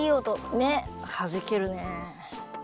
ねっはじけるね。